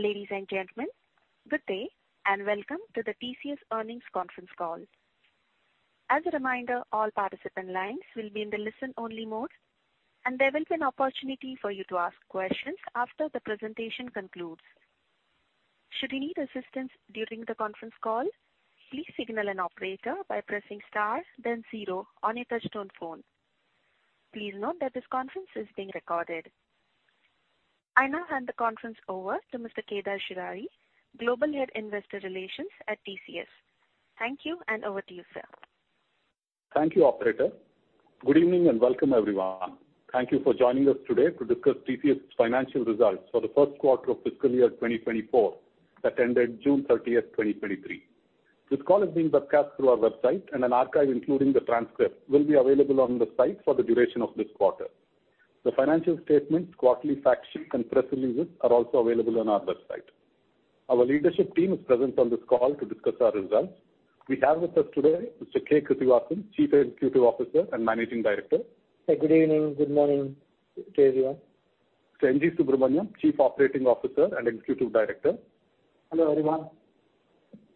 Ladies and gentlemen, good day, and welcome to the TCS Earnings Conference Call. As a reminder, all participant lines will be in the listen-only mode, and there will be an opportunity for you to ask questions after the presentation concludes. Should you need assistance during the conference call, please signal an operator by pressing star then zero on your touchtone phone. Please note that this conference is being recorded. I now hand the conference over to Mr. Kedar Shirali, Global Head Investor Relations at TCS. Thank you, and over to you, sir. Thank you, operator. Good evening, and welcome, everyone. Thank you for joining us today to discuss TCS financial results for the first quarter of fiscal year 2024, that ended June 30th, 2023. This call is being webcast through our website, and an archive, including the transcript, will be available on the site for the duration of this quarter. The financial statements, quarterly fact sheet, and press releases are also available on our website. Our leadership team is present on this call to discuss our results. We have with us today Mr. K. Krithivasan, Chief Executive Officer and Managing Director. Good evening. Good morning to everyone. Mr. N.G. Subramaniam, Chief Operating Officer and Executive Director. Hello, everyone.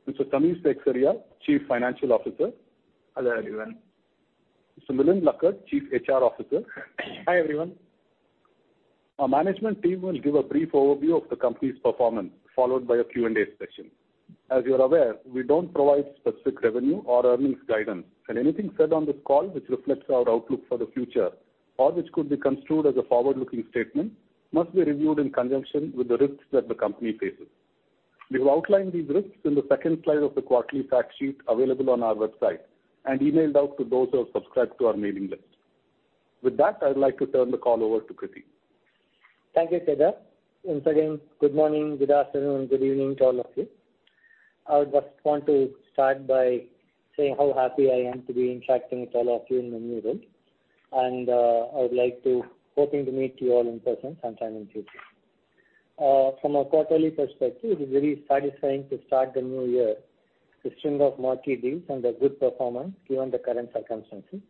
Mr. Samir Seksaria, Chief Financial Officer. Hello, everyone. Mr. Milind Lakkad, Chief HR Officer. Hi, everyone. Our management team will give a brief overview of the company's performance, followed by a Q&A session. As you're aware, we don't provide specific revenue or earnings guidance, and anything said on this call which reflects our outlook for the future, or which could be construed as a forward-looking statement, must be reviewed in conjunction with the risks that the company faces. We've outlined these risks in the second slide of the quarterly fact sheet available on our website, and emailed out to those who have subscribed to our mailing list. With that, I'd like to turn the call over to Krithi. Thank you, Kedar. Once again, good morning, good afternoon, good evening to all of you. I would just want to start by saying how happy I am to be interacting with all of you in my new role, and hoping to meet you all in person sometime in future. From a quarterly perspective, it is very satisfying to start the new year with a string of marquee deals and a good performance, given the current circumstances.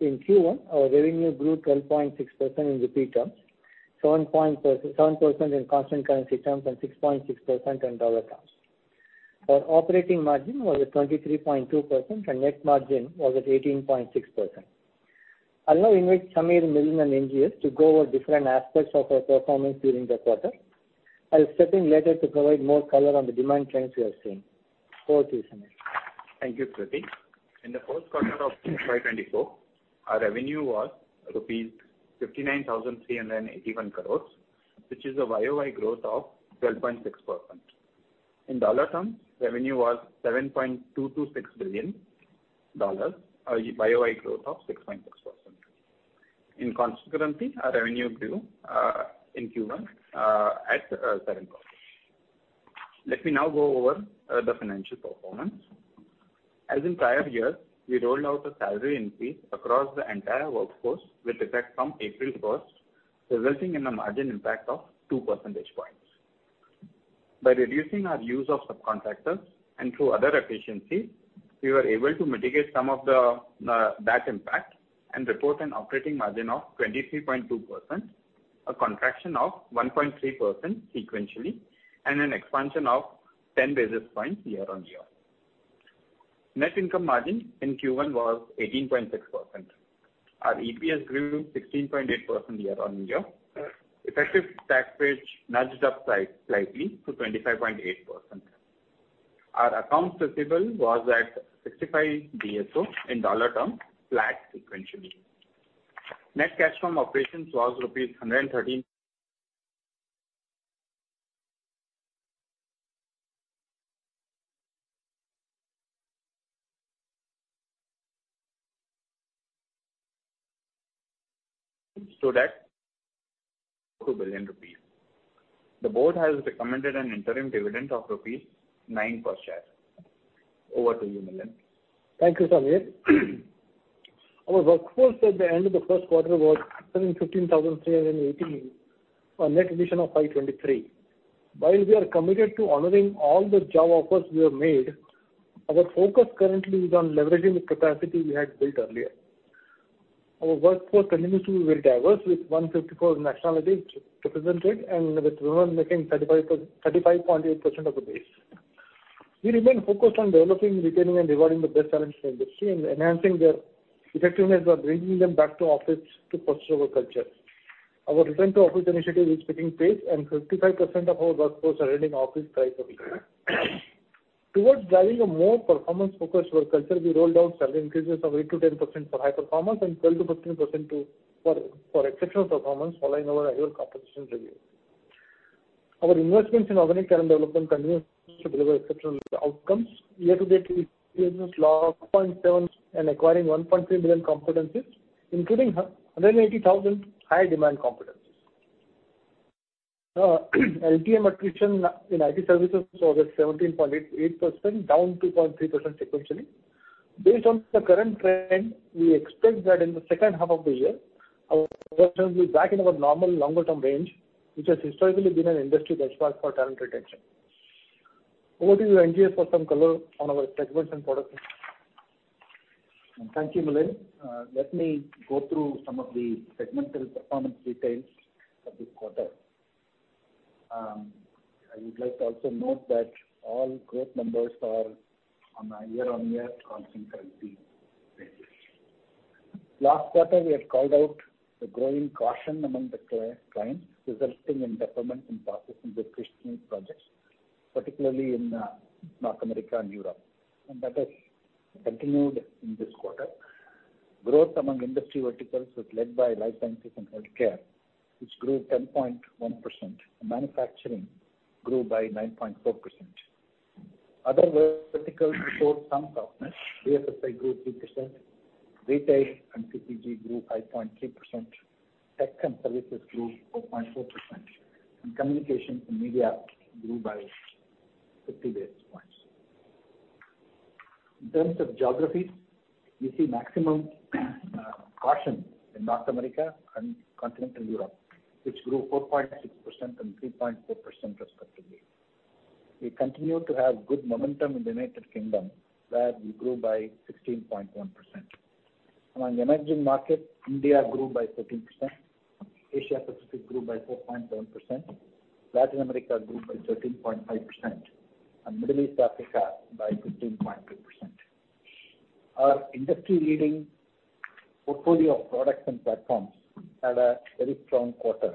In Q1, our revenue grew 12.6% in INR terms, 7% in constant currency terms, and 6.6% in dollar terms. Our operating margin was at 23.2%, and net margin was at 18.6%. I'll now invite Samir, Milind, and N.G.S to go over different aspects of our performance during the quarter. I'll step in later to provide more color on the demand trends we are seeing. Over to you, Samir. Thank you, Krithi. In the first quarter of 2024, our revenue was rupees 59,381 crores, which is a YoY growth of 12.6%. In dollar terms, revenue was $7.226 million, a YoY growth of 6.6%. In constant currency, our revenue grew in Q1 at 7%. Let me now go over the financial performance. As in prior years, we rolled out a salary increase across the entire workforce, with effect from April 1st, resulting in a margin impact of 2 percentage points. By reducing our use of subcontractors and through other efficiencies, we were able to mitigate some of that impact and report an operating margin of 23.2%, a contraction of 1.3% sequentially, and an expansion of 10 basis points year-on-year. Net income margin in Q1 was 18.6%. Our EPS grew 16.8% year-on-year. Effective tax rate nudged up slightly to 25.8%. Our accounts receivable was at 65 DSO in dollar terms, flat sequentially. Net cash from operations was INR 113. So that 2 billion rupees. The Board has recommended an interim dividend of rupees 9 per share. Over to you, Milind. Thank you, Samir. Our workforce at the end of the first quarter was 715,318, a net addition of 523. While we are committed to honoring all the job offers we have made, our focus currently is on leveraging the capacity we had built earlier. Our workforce continues to be very diverse, with 154 nationalities represented and with women making 35.8% of the base. We remain focused on developing, retaining, and rewarding the best talents in the industry and enhancing their effectiveness by bringing them back to office to pursue our culture. Our return to office initiative is picking pace. 55% of our workforce are joining office twice a week. Towards driving a more performance-focused work culture, we rolled out salary increases of 8%-10% for high performance and 12%-13% for exceptional performance, following our annual compensation review. Our investments in organic talent development continue to deliver exceptional outcomes. Year-to-date, TCSers logged 12.7 million learning hours and acquiring 1.3 billion competencies, including 180,000 high-demand competencies. LTM attrition in IT services was 17.88%, down 2.3% sequentially. Based on the current trend, we expect that in the second half of the year, our attrition will be back in our normal longer-term range, which has historically been an industry benchmark for talent retention. Over to you, N.G., for some color on our segments and products. Thank you, Milind. Let me go through some of the segmental performance details for this quarter. I would like to also note that all growth numbers are on a year-on-year constant currency basis. Last quarter, we had called out the growing caution among the clients, resulting in deferment in processing the discretionary projects, particularly in North America and Europe, and that has continued in this quarter. Growth among industry verticals was led by life sciences and healthcare, which grew 10.1%, and manufacturing grew by 9.4%. Other verticals showed some softness. BFSI grew 3%, retail and CPG grew 5.3%, Tech and Services grew 4.4%, and Communications and Media grew by 50 basis points. In terms of geographies, we see maximum caution in North America and Continental Europe, which grew 4.6% and 3.4% respectively. We continue to have good momentum in the United Kingdom, where we grew by 16.1%. Among the emerging markets, India grew by 13%, Asia Pacific grew by 4.1%, Latin America grew by 13.5%, and Middle East Africa by 15.2%. Our industry-leading portfolio of products and platforms had a very strong quarter,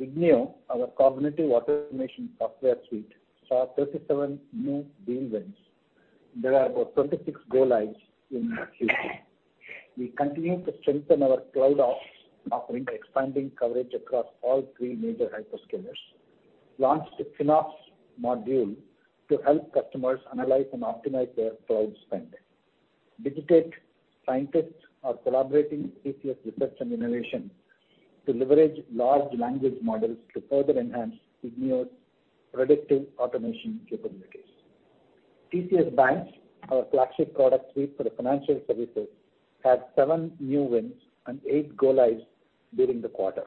ignio, our cognitive automation software suite, saw 37 new deal wins. There are about 26 go-lives. We continued to strengthen our cloud offering by expanding coverage across all three major hyperscalers, launched a FinOps module to help customers analyze and optimize their cloud spend. Digitate scientists are collaborating with TCS Research and Innovation to leverage large language models to further enhance ignio's predictive automation capabilities. TCS BaNCS, our flagship product suite for the financial services, had 7 new wins and 8 go-lives during the quarter.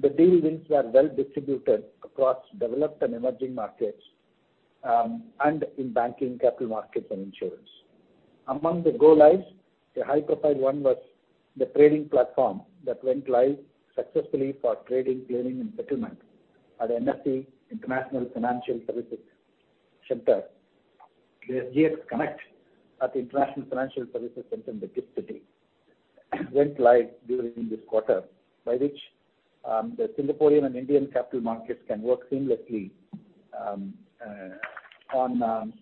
The deal wins were well distributed across developed and emerging markets and in banking, capital markets, and insurance. Among the go-lives, the high-profile one was the trading platform that went live successfully for trading, clearing, and settlement at NSE IFSC-SGX Connect at the International Financial Services Center in the GIFT City went live during this quarter, by which the Singaporean and Indian capital markets can work seamlessly on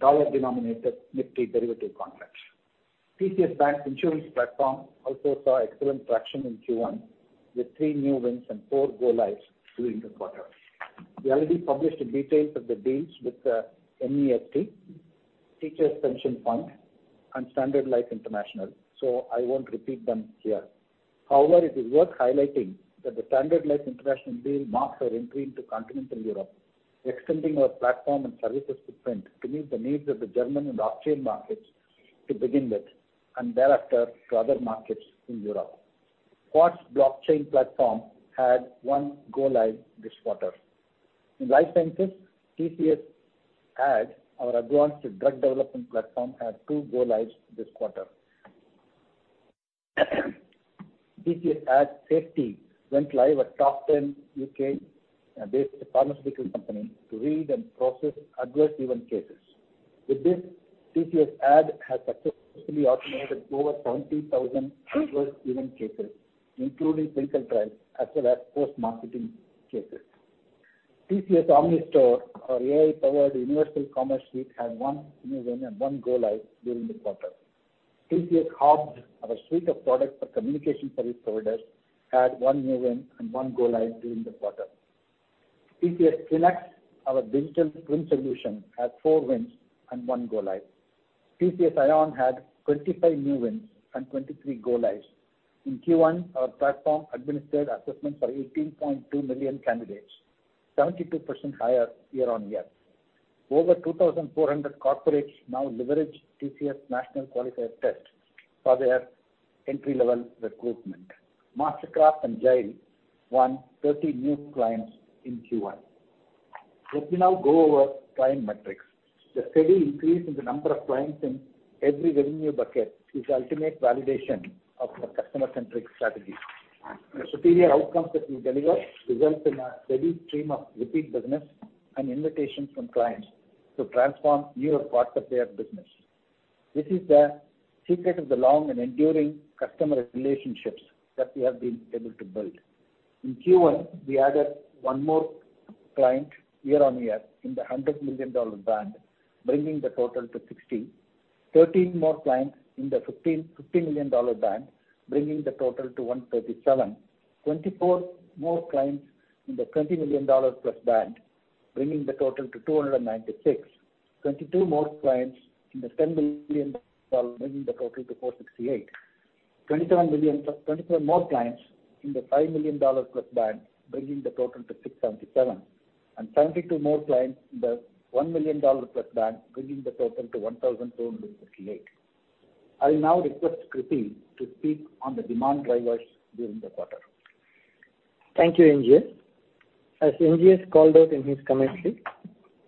dollar-denominated Nifty derivative contracts. TCS BaNCS's Insurance platform also saw excellent traction in Q1, with 3 new wins and 4 go-lives during the quarter. We already published the details of the deals with NEST, Teachers' Pension Fund, and Standard Life International. I won't repeat them here. It is worth highlighting that the Standard Life International deal marks our entry into Continental Europe, extending our platform and services footprint to meet the needs of the German and Austrian markets to begin with, and thereafter, to other markets in Europe. Quartz blockchain platform had one go-live this quarter. In life sciences, TCS ADD, our advanced drug development platform, had two go-lives this quarter. TCS ADD Safety went live at top 10 U.K.-based pharmaceutical company to read and process adverse event cases. With this, TCS ADD has successfully automated over 70,000 adverse event cases, including clinical trials as well as post-marketing cases. TCS OmniStore, our AI-powered universal commerce suite, had one new win and one go-live during the quarter. TCS HOBS, our suite of products for communication service providers, had one new win and one go-live during the quarter. TCS TwinX, our digital twin solution, had four wins and one go-live. TCS iON had 25 new wins and 23 go-lives. In Q1, our platform administered assessments for 18.2 million candidates, 72% higher year-on-year. Over 2,400 corporates now leverage TCS iON National Qualifier Test for their entry-level recruitment. TCS MasterCraft and Jile won 30 new clients in Q1. Let me now go over client metrics. The steady increase in the number of clients in every revenue bucket is the ultimate validation of our customer-centric strategy. The superior outcomes that we deliver results in a steady stream of repeat business and invitations from clients to transform newer parts of their business. This is the secret of the long and enduring customer relationships that we have been able to build. In Q1, we added 1 more client year-on-year in the $100 million band, bringing the total to 60. 13 more clients in the $15 million band, bringing the total to 137. 24 more clients in the $20 million+ band, bringing the total to 296. 22 more clients in the $10 billion, bringing the total to 468. 27 more clients in the $5 million+ band, bringing the total to 677. And 72 more clients in the $1 million+ band, bringing the total to 1,238. I will now request Krithi to speak on the demand drivers during the quarter. Thank you, N.G. As N.G. has called out in his commentary,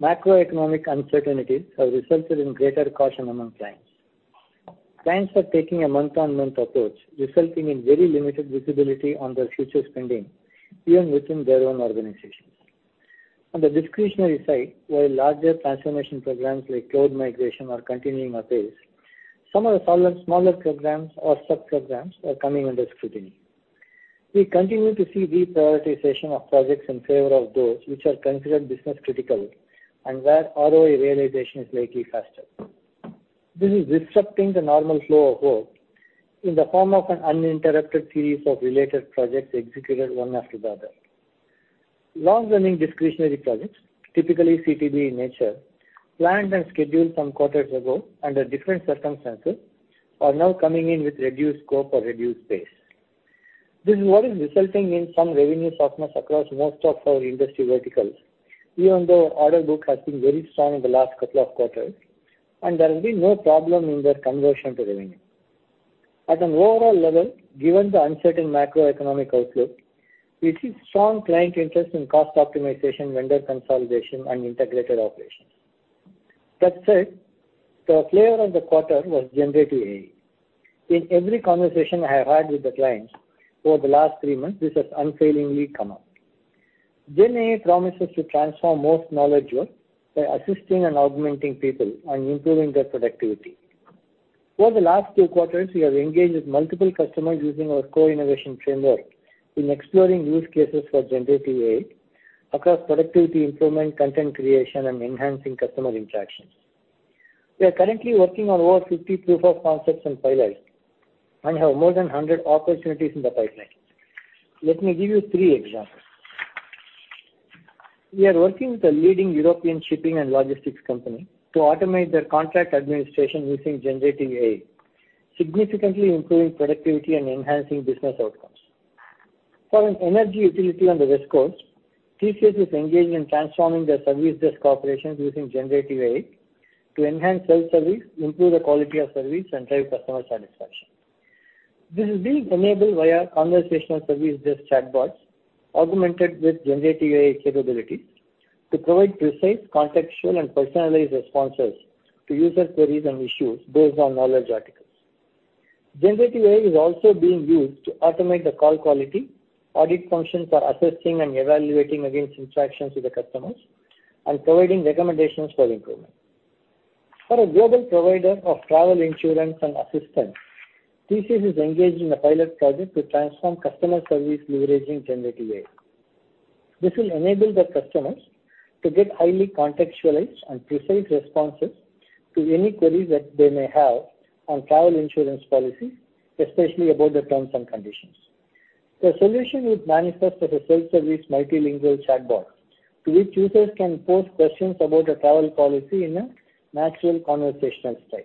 macroeconomic uncertainties have resulted in greater caution among clients. Clients are taking a month-on-month approach, resulting in very limited visibility on their future spending, even within their own organizations. On the discretionary side, while larger transformation programs like cloud migration are continuing apace, some of the smaller programs or sub-programs are coming under scrutiny. We continue to see reprioritization of projects in favor of those which are considered business critical, and where ROI realization is likely faster. This is disrupting the normal flow of work in the form of an uninterrupted series of related projects executed one after the other. Long running discretionary projects, typically CTB in nature, planned and scheduled some quarters ago under different circumstances, are now coming in with reduced scope or reduced pace. This is what is resulting in some revenue softness across most of our industry verticals, even though our order book has been very strong in the last couple of quarters, and there will be no problem in their conversion to revenue. At an overall level, given the uncertain macroeconomic outlook, we see strong client interest in cost optimization, vendor consolidation, and integrated operations. That said, the flavor of the quarter was generative AI. In every conversation I have had with the clients over the last three months, this has unfailingly come up. GenAI promises to transform most knowledge work by assisting and augmenting people and improving their productivity. Over the last two quarters, we have engaged with multiple customers using our core innovation framework in exploring use cases for generative AI across productivity improvement, content creation, and enhancing customer interactions. We are currently working on over 50 proof of concepts and pilots, and have more than 100 opportunities in the pipeline. Let me give you three examples. We are working with a leading European shipping and logistics company to automate their contract administration using generative AI, significantly improving productivity and enhancing business outcomes. For an energy utility on the West Coast, TCS is engaged in transforming their service desk operations using generative AI to enhance self-service, improve the quality of service, and drive customer satisfaction. This is being enabled via conversational service desk chatbots, augmented with generative AI capabilities, to provide precise, contextual, and personalized responses to user queries and issues based on knowledge articles. Generative AI is also being used to automate the call quality, audit functions for assessing and evaluating against interactions with the customers, and providing recommendations for improvement. For a global provider of travel insurance and assistance, TCS is engaged in a pilot project to transform customer service leveraging generative AI. This will enable the customers to get highly contextualized and precise responses to any queries that they may have on travel insurance policy, especially about the terms and conditions. The solution will manifest as a self-service multilingual chatbot, to which users can pose questions about a travel policy in a natural conversational style.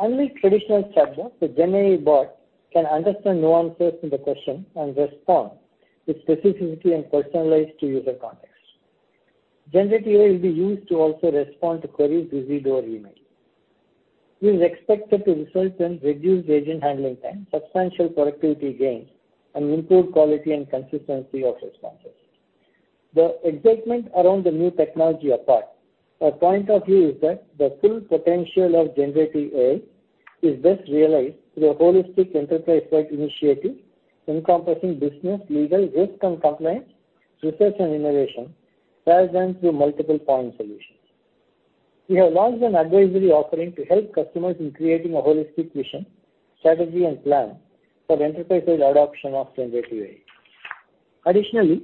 Unlike traditional chatbot, the GenAI bot can understand nuances in the question and respond with specificity and personalized to user context. Generative AI will be used to also respond to queries received over email. This is expected to result in reduced agent handling time, substantial productivity gains, and improved quality and consistency of responses. The excitement around the new technology apart, our point of view is that the full potential of generative AI is best realized through a holistic enterprise-wide initiative encompassing business, legal, risk and compliance, research and innovation, rather than through multiple point solutions. We have launched an advisory offering to help customers in creating a holistic vision, strategy, and plan for enterprise-wide adoption of generative AI. Additionally,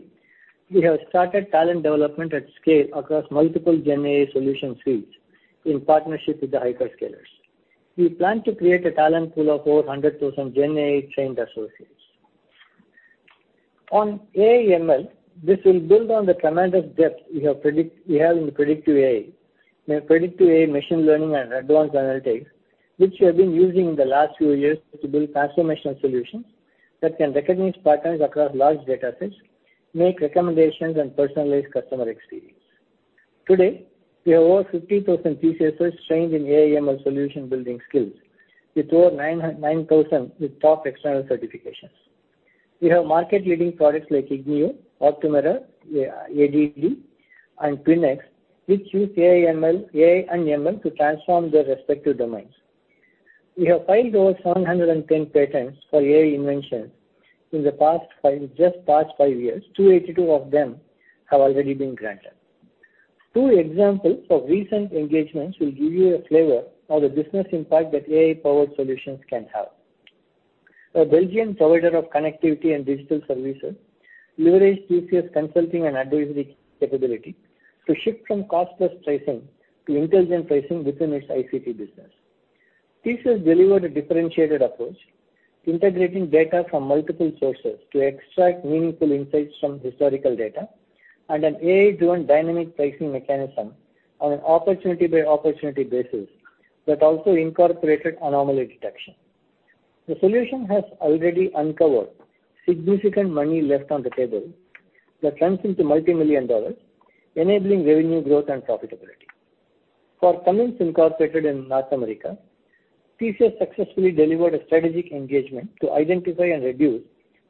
we have started talent development at scale across multiple GenAI solution suites in partnership with the hyperscalers. We plan to create a talent pool of over 100,000 GenAI-trained associates. On AI/ML, this will build on the command of depth we have in predictive AI, where predictive AI, machine learning, and advanced analytics, which we have been using in the last few years to build transformational solutions that can recognize patterns across large datasets, make recommendations, and personalize customer experience. Today, we have over 50,000 TCSers trained in AI/ML solution building skills, with over 9,000 with top external certifications. We have market-leading products like ignio, Optumera, ADD, and TwinX, which use AI/ML, AI and ML to transform their respective domains. We have filed over 710 patents for AI inventions just past five years. 282 of them have already been granted. Two examples of recent engagements will give you a flavor of the business impact that AI-powered solutions can have. A Belgian provider of connectivity and digital services leveraged TCS consulting and advisory capability to shift from cost-plus pricing to intelligent pricing within its ICT business. TCS delivered a differentiated approach, integrating data from multiple sources to extract meaningful insights from historical data, and an AI-driven dynamic pricing mechanism on an opportunity-by-opportunity basis that also incorporated anomaly detection. The solution has already uncovered significant money left on the table that runs into multi-million dollars, enabling revenue growth and profitability. For Cummins Incorporated in North America, TCS successfully delivered a strategic engagement to identify and reduce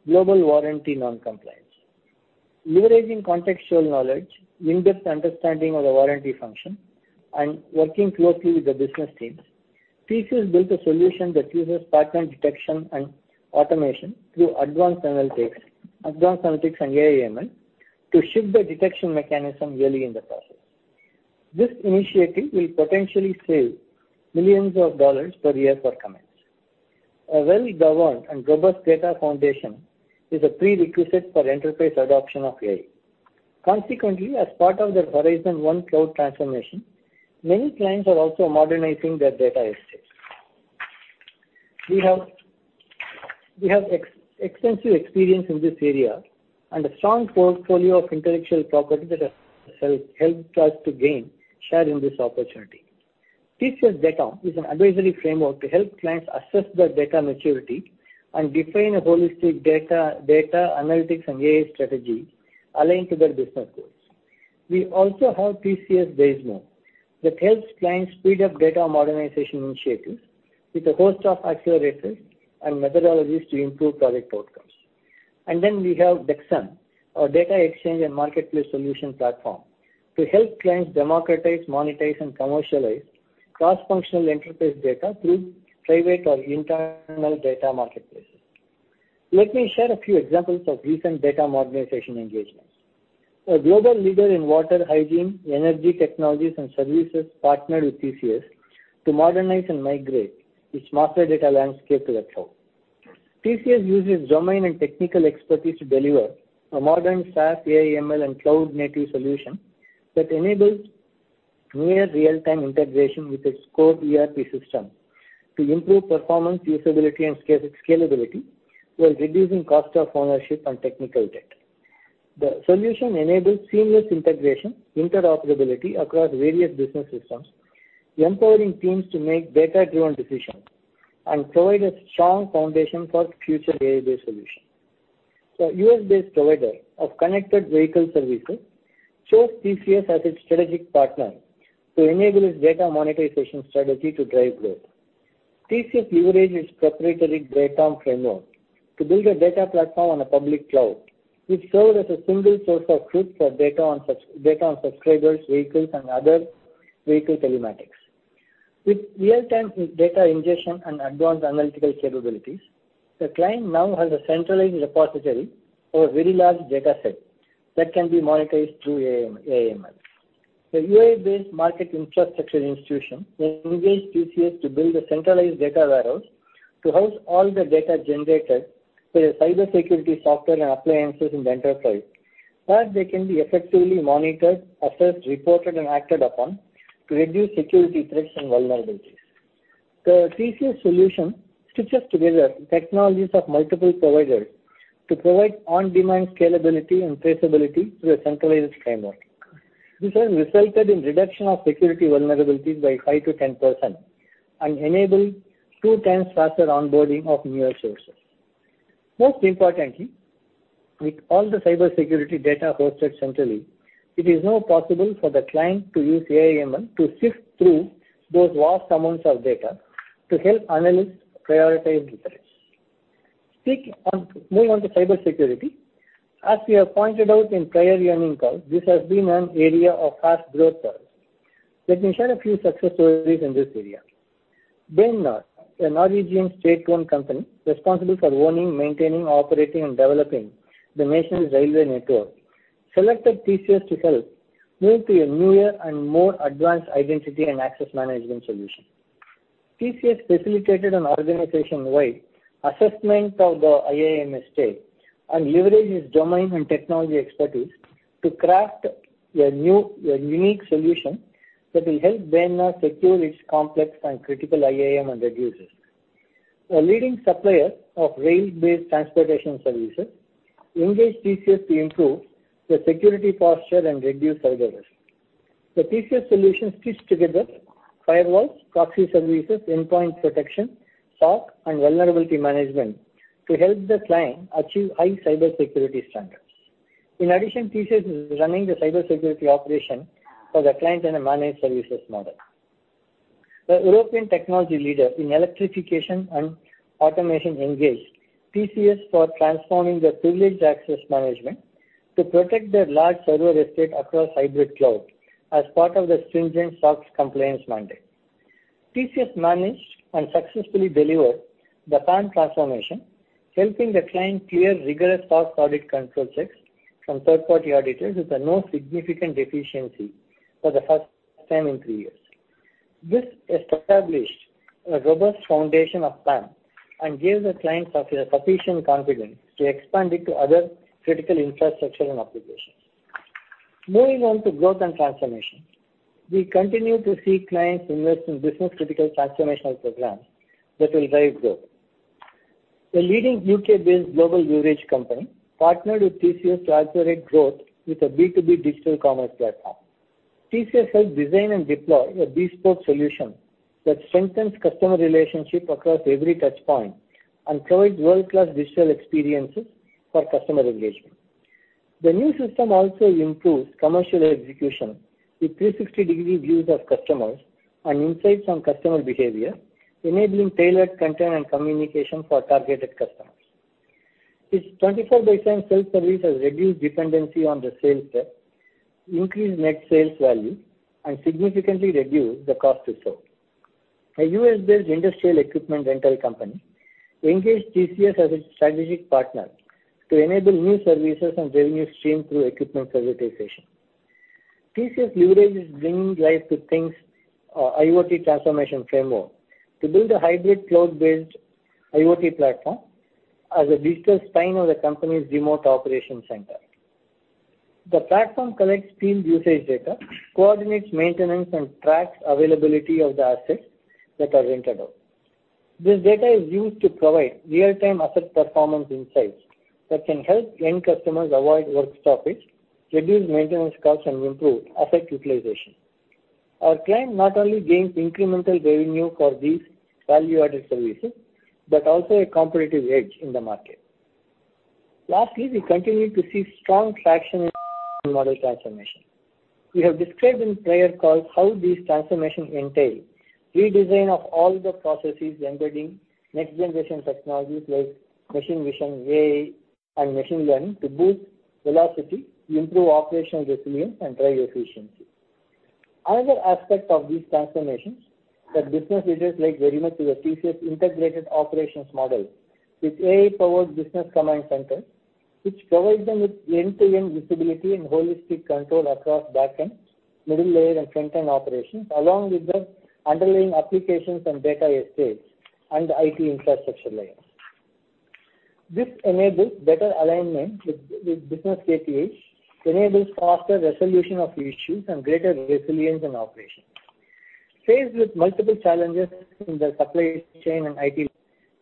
global warranty non-compliance. Leveraging contextual knowledge, in-depth understanding of the warranty function, and working closely with the business teams, TCS built a solution that uses pattern detection and automation through advanced analytics and AI/ML, to shift the detection mechanism early in the process. This initiative will potentially save millions of dollars per year for Cummins. A well-governed and robust data foundation is a prerequisite for enterprise adoption of AI. Consequently, as part of their Horizon one cloud transformation, many clients are also modernizing their data estates. We have extensive experience in this area and a strong portfolio of intellectual property that has helped us to gain share in this opportunity. TCS Datom is an advisory framework to help clients assess their data maturity and define a holistic data analytics and AI strategy aligned to their business goals. We also have TCS DAEzMo, that helps clients speed up data modernization initiatives with a host of accelerators and methodologies to improve project outcomes. We have TCS Dexam, our data exchange and marketplace solution platform, to help clients democratize, monetize, and commercialize cross-functional enterprise data through private or internal data marketplaces. Let me share a few examples of recent data modernization engagements. A global leader in water, hygiene, energy technologies and services partnered with TCS to modernize and migrate its master data landscape to the cloud. TCS uses domain and technical expertise to deliver a modern SaaS, AI/ML, and cloud-native solution that enables near real-time integration with its core ERP system to improve performance, usability, and scalability, while reducing cost of ownership and technical debt. The solution enables seamless integration, interoperability across various business systems, empowering teams to make data-driven decisions, and provide a strong foundation for future AI-based solutions. A U.S.-based provider of connected vehicle services chose TCS as its strategic partner to enable its data monetization strategy to drive growth. TCS leveraged its proprietary data framework to build a data platform on a public cloud, which served as a single source of truth for data on subscribers, vehicles, and other vehicle telematics. With real-time data ingestion and advanced analytical capabilities, the client now has a centralized repository for a very large data set that can be monetized through AI/ML. A U.S.-based market infrastructure institution has engaged TCS to build a centralized data warehouse to house all the data generated by their cybersecurity software and appliances in the enterprise, where they can be effectively monitored, assessed, reported, and acted upon to reduce security threats and vulnerabilities. The TCS solution stitches together technologies of multiple providers to provide on-demand scalability and traceability through a centralized framework. This has resulted in reduction of security vulnerabilities by 5%-10% and enabled 2x faster onboarding of new sources. Most importantly, with all the cybersecurity data hosted centrally, it is now possible for the client to use AI/ML to sift through those vast amounts of data to help analysts prioritize the threats. moving on to cybersecurity, as we have pointed out in prior earning calls, this has been an area of fast growth for us. Let me share a few success stories in this area. Bane NOR, a Norwegian state-owned company, responsible for owning, maintaining, operating, and developing the national railway network, selected TCS to help move to a newer and more advanced identity and access management solution. TCS facilitated an organization-wide assessment of the IAM estate and leveraged its domain and technology expertise to craft a new, a unique solution that will help Bane NOR secure its complex and critical IAM and reduce risk. A leading supplier of rail-based transportation services engaged TCS to improve the security posture and reduce cyber risk. The TCS solution stitched together firewalls, proxy services, endpoint protection, SOC, and vulnerability management to help the client achieve high cybersecurity standards. In addition, TCS is running the cybersecurity operation for the client in a managed services model. A European technology leader in electrification and automation engaged TCS for transforming the privileged access management to protect their large server estate across hybrid cloud as part of the stringent SOC compliance mandate. TCS managed and successfully delivered the PAM transformation, helping the client clear rigorous SOC audit control checks from third-party auditors with a no significant deficiency for the first time in three years. This established a robust foundation of PAM and gave the client sufficient confidence to expand it to other critical infrastructure and applications. Moving on to growth and transformation. We continue to see clients invest in business-critical transformational programs that will drive growth. A leading U.K.-based global beverage company partnered with TCS to accelerate growth with a B2B digital commerce platform. TCS helped design and deploy a bespoke solution that strengthens customer relationship across every touchpoint and provides world-class digital experiences for customer engagement. The new system also improves commercial execution with 360 degree views of customers and insights on customer behavior, enabling tailored content and communication for targeted customers. This 24/7 self-service has reduced dependency on the sales rep, increased net sales value, and significantly reduced the cost to serve. A U.S.-based industrial equipment rental company engaged TCS as its strategic partner to enable new services and revenue streams through equipment digitization. TCS leverage is "Bringing Life to Things", IoT transformation framework, to build a hybrid cloud-based IoT platform as a digital spine of the company's remote operation center. The platform collects field usage data, coordinates maintenance, and tracks availability of the assets that are rented out. This data is used to provide real-time asset performance insights that can help end customers avoid work stoppages, reduce maintenance costs, and improve asset utilization. Our client not only gains incremental revenue for these value-added services, but also a competitive edge in the market. Lastly, we continue to see strong traction in model transformation. We have described in prior calls how these transformation entail redesign of all the processes embedding next-generation technologies like machine vision, AI, and machine learning to boost velocity, improve operational resilience, and drive efficiency. Another aspect of these transformations that business leaders like very much is a TCS integrated operations model with AI-powered business command center, which provides them with end-to-end visibility and holistic control across back-end, middle layer, and front-end operations, along with the underlying applications and data estates and IT infrastructure layers. This enables better alignment with business KPI, enables faster resolution of issues and greater resilience in operations. Faced with multiple challenges in the supply chain and IT,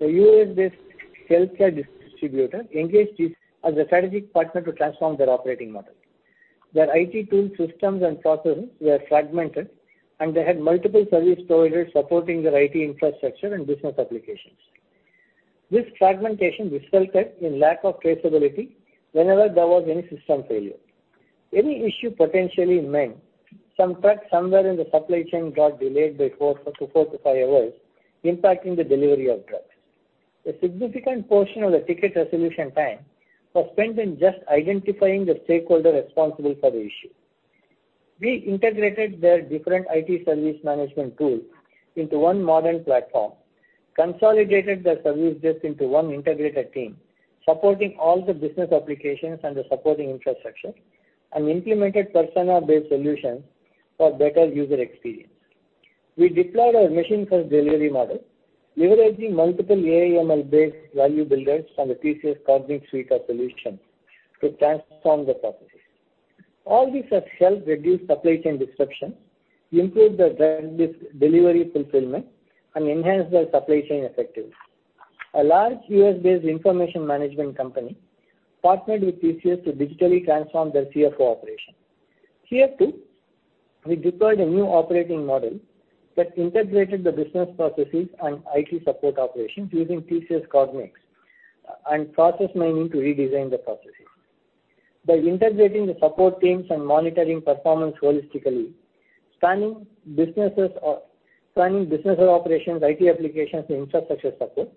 the U.S.-based healthcare distributor engaged us as a strategic partner to transform their operating model. Their IT tool systems and processes were fragmented, and they had multiple service providers supporting their IT infrastructure and business applications. This fragmentation resulted in lack of traceability whenever there was any system failure. Any issue potentially meant some trucks somewhere in the supply chain got delayed by 4 hours-5 hours, impacting the delivery of drugs. A significant portion of the ticket resolution time was spent in just identifying the stakeholder responsible for the issue. We integrated their different IT service management tools into one modern platform, consolidated the service desk into one integrated team, supporting all the business applications and the supporting infrastructure, and implemented persona-based solutions for better user experience. We deployed our machine-first delivery model, leveraging multiple AI, ML-based value builders from the TCS Cognix suite of solutions to transform the processes. All these have helped reduce supply chain disruption, improve the drug delivery fulfillment, and enhance their supply chain effectiveness. A large U.S.-based information management company partnered with TCS to digitally transform their CFO operation. Here, too, we deployed a new operating model that integrated the business processes and IT support operations using TCS Cognix and process mining to redesign the processes. By integrating the support teams and monitoring performance holistically, spanning businesses operations, IT applications, and infrastructure support,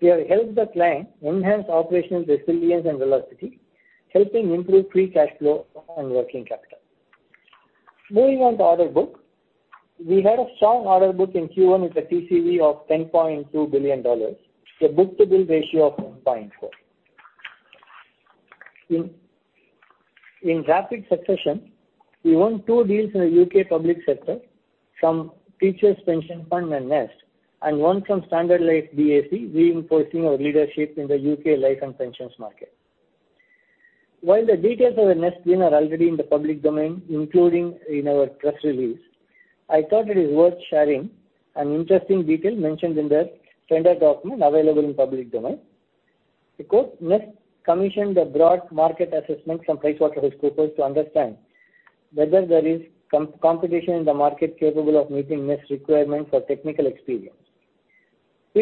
we have helped the client enhance operational resilience and velocity, helping improve free cash flow and working capital. Moving on to order book. We had a strong order book in Q1 with a TCV of $10.2 billion, a book-to-bill ratio of 1.4. In rapid succession, we won two deals in the U.K. public sector from Teachers Pension Fund and Nest, and won from Standard Life DAC, reinforcing our leadership in the U.K. life and pensions market. While the details of the Nest win are already in the public domain, including in our press release, I thought it is worth sharing an interesting detail mentioned in the tender document available in public domain. Nest commissioned a broad market assessment from PricewaterhouseCoopers to understand whether there is competition in the market capable of meeting Nest's requirements for technical experience.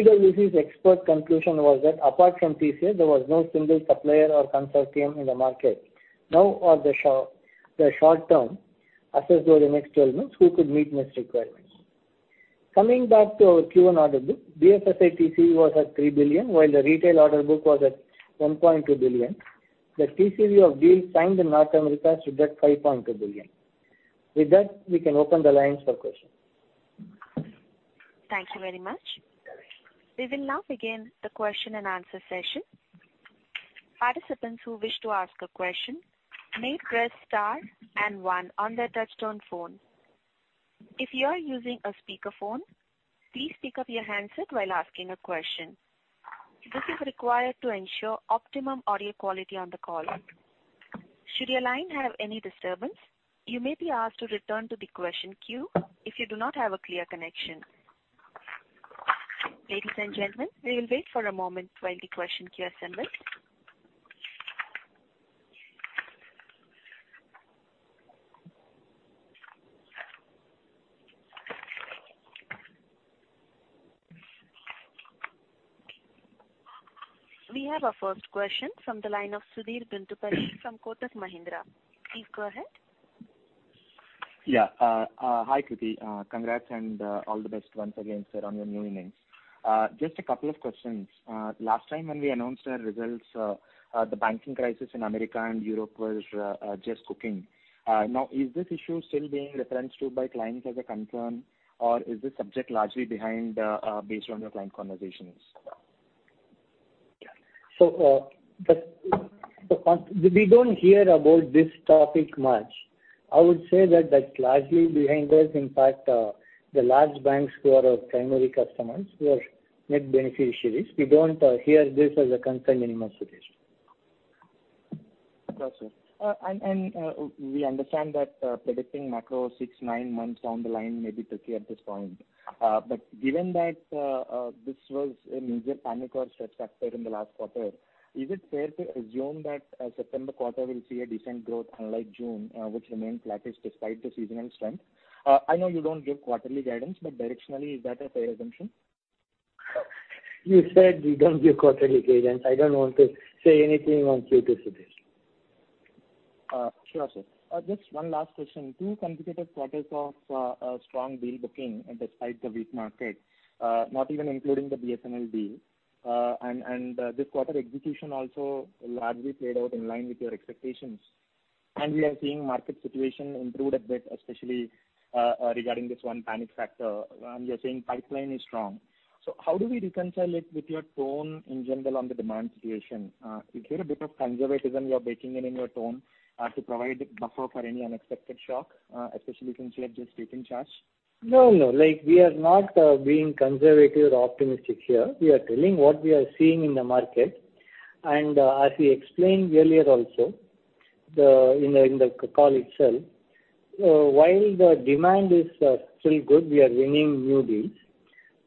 PwC's expert conclusion was that apart from TCS, there was no single supplier or consortium in the market, now or the short term, assessed over the next 12 months, who could meet Nest's requirements. Coming back to our Q1 order book, BFSI TCV was at $3 billion, while the retail order book was at $1.2 billion. The TCV of deals signed in North America stood at $5.2 billion. With that, we can open the lines for questions. Thank you very much. We will now begin the question-and-answer session. Participants who wish to ask a question may press star and one on their touchtone phone. If you are using a speakerphone, please pick up your handset while asking a question. This is required to ensure optimum audio quality on the call. Should your line have any disturbance, you may be asked to return to the question queue if you do not have a clear connection. Ladies and gentlemen, we will wait for a moment while the question queue assembles. We have our first question from the line of Sudheer Guntupalli from Kotak Mahindra. Please go ahead. Hi, Krithi. Congrats and all the best once again, sir, on your new innings. Just a couple of questions. Last time when we announced our results, the banking crisis in America and Europe was just cooking. Is this issue still being referenced to by clients as a concern, or is this subject largely behind, based on your client conversations? We don't hear about this topic much. I would say that that's largely behind us. In fact, the large banks who are our primary customers, we are net beneficiaries. We don't hear this as a concern anymore, Sudheer. Got you. We understand that predicting macro six, nine months down the line may be tricky at this point. Given that this was a major panic or stress factor in the last quarter, is it fair to assume that September quarter will see a decent growth unlike June which remained flattish despite the seasonal strength? I know you don't give quarterly guidance, but directionally, is that a fair assumption? You said we don't give quarterly guidance. I don't want to say anything on Q2, Sudheer. Sure, sir. Just one last question. Two competitive quarters of, a strong deal booking and despite the weak market, not even including the BSNL deal. This quarter execution also largely played out in line with your expectations. We are seeing market situation improve a bit, especially, regarding this one panic factor, and you're saying pipeline is strong. How do we reconcile it with your tone in general on the demand situation? Is there a bit of conservatism you are baking in your tone, to provide the buffer for any unexpected shock, especially considering this rate in charge? No, no. Like, we are not being conservative or optimistic here. We are telling what we are seeing in the market. As we explained earlier also, in the call itself, while the demand is still good, we are winning new deals,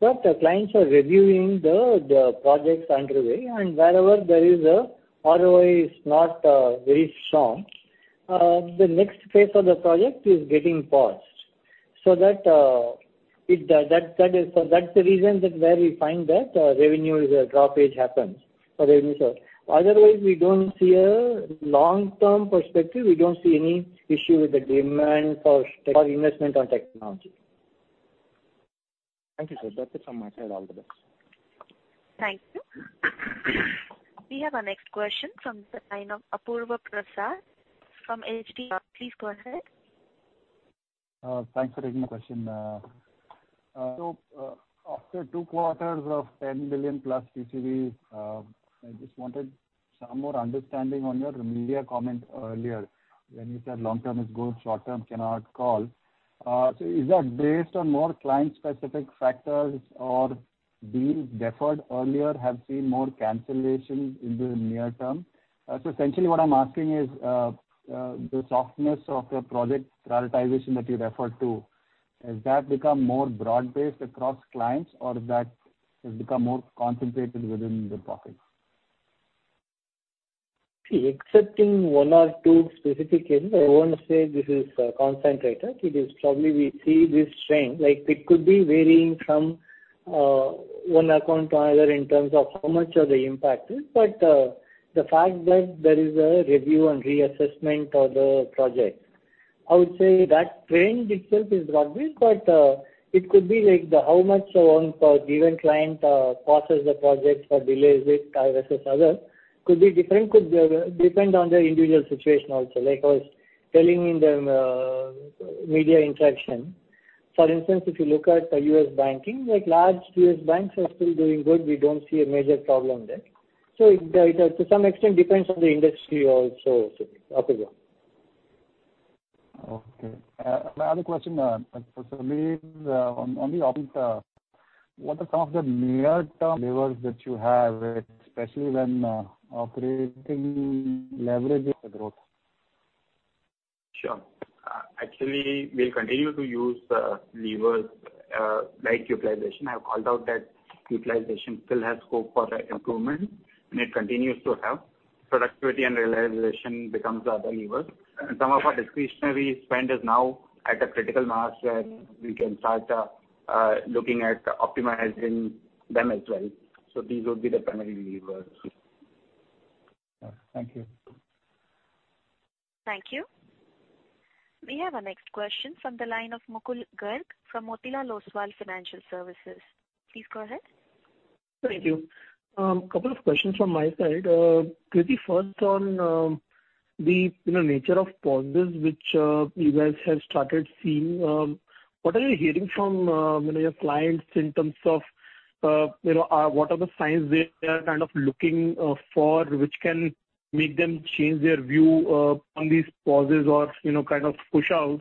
but the clients are reviewing the projects underway, and wherever there is a ROI is not very strong, the next phase of the project is getting paused. That's the reason that where we find that revenue is a dropage happens for revenue. Otherwise, we don't see a long-term perspective, we don't see any issue with the demand for or investment on technology. Thank you, sir. That's it from my side. All the best. Thank you. We have our next question from the line of Apurva Prasad from HDFC. Please go ahead. Thanks for taking the question. After two quarters of 10 billion+ TCV, I just wanted some more understanding on your media comment earlier, when you said long term is good, short term cannot call. Is that based on more client-specific factors or deals deferred earlier have seen more cancellations in the near term? Essentially, what I'm asking is, the softness of your project prioritization that you referred to, has that become more broad-based across clients, or that has become more concentrated within the pockets? Excepting one or two specific cases, I won't say this is concentrated. It is probably we see this trend, like, it could be varying from one account to another in terms of how much of the impact is. The fact that there is a review and reassessment of the project, I would say that trend itself is what we've got. It could be like the, how much one per given client pauses the project or delays it versus other. Could be different, could depend on their individual situation also. Like I was telling in the media interaction, for instance, if you look at the U.S. banking, like large U.S. banks are still doing good, we don't see a major problem there. It, to some extent, depends on the industry also, Apurva. Okay. My other question, for Samir, what are some of the near-term levers that you have, especially when, operating leverage impact is lower due to softer growth? Sure. Actually, we'll continue to use levers like utilization. I've called out that utilization still has scope for improvement, and it continues to help. Productivity and realization becomes the other lever. Some of our discretionary spend is now at a critical mass, where we can start looking at optimizing them as well. These would be the primary levers. Thank you. Thank you. We have our next question from the line of Mukul Garg from Motilal Oswal Financial Services. Please go ahead. Thank you. Couple of questions from my side. Krithi, first on the, you know, nature of pauses, which you guys have started seeing. What are you hearing from, you know, your clients in terms of, you know, what are the signs they are kind of looking for, which can make them change their view on these pauses or, you know, kind of push out?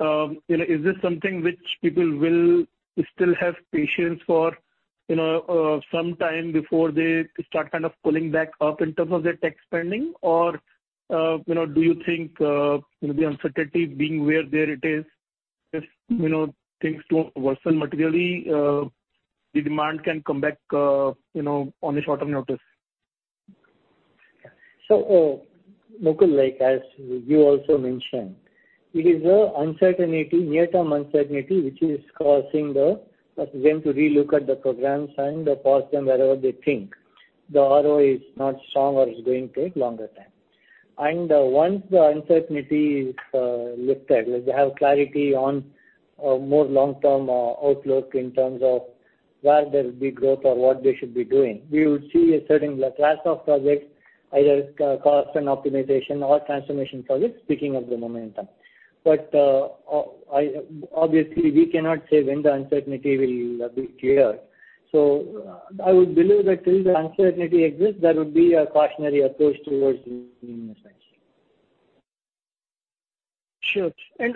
You know, is this something which people will still have patience for, you know, some time before they start kind of pulling back up in terms of their tech spending? Or, you know, do you think, you know, the uncertainty being where there it is, if, you know, things don't worsen materially, the demand can come back, you know, on a short-term notice? Mukul, like as you also mentioned, it is a uncertainty, near-term uncertainty, which is causing the, for them to relook at the programs and pause them wherever they think the ROE is not strong or is going to take longer time. Once the uncertainty is lifted, like they have clarity on more long-term outlook in terms of where there will be growth or what they should be doing, we would see a certain class of projects, either co-cost and optimization or transformation projects, picking up the momentum. Obviously, we cannot say when the uncertainty will be cleared. I would believe that till the uncertainty exists, there would be a cautionary approach towards investment. Sure. You